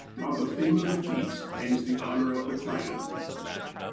On the fame of the feast hangs the honour of the clan.